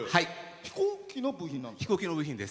飛行機の部品です。